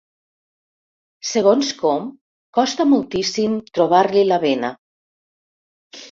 Segons com, costa moltíssim trobar-li la vena.